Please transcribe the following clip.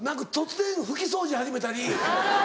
突然拭き掃除始めたり。